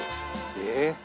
「えっ？」